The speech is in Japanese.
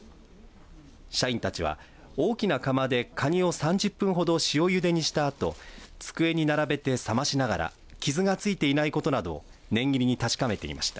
社員たちは大きな釜でカニを３０分ほど塩ゆでにしたあと机に並べて冷ましながら傷がついていないことなど念入りに確かめていました。